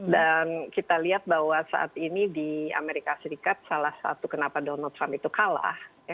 dan kita lihat bahwa saat ini di amerika serikat salah satu kenapa donald trump itu kalah